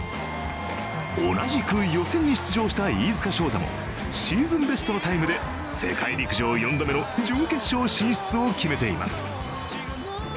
同じく予選に出場した飯塚翔太もシーズンベストのタイムで世界陸上４度目の準決勝進出を決めています。